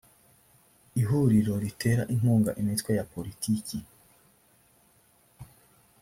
ihuriro ritera inkunga imitwe ya politiki